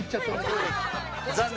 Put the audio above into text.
残念！